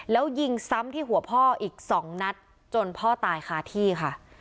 แล้วยิงซ้ำที่หัวพ่ออีก๒นัดจนพ่อตายคาที่ค่ะ